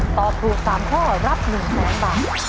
ตอบถูก๓ข้อรับ๑๐๐๐บาท